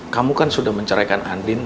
kamu kan sudah menceraikan andin